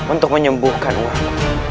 untuk menyembuhkan uamu